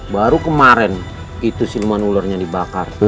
baru kemarin itu silman ularnya dibakar